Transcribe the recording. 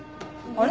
あれ？